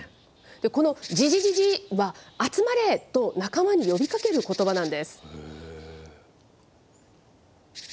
このヂヂヂヂは、集まれと仲間に呼びかける音なんです。